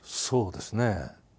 そうですね。